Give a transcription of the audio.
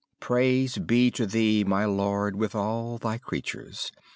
Praise be to Thee, my Lord, with all Thy creatures.